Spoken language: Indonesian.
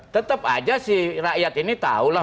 tetap aja si rakyat ini tahulah